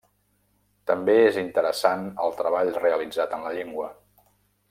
També és interessant el treball realitzat en la llengua.